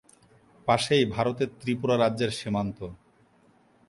পাশেই ভারতের ত্রিপুরা রাজ্যের সীমান্ত।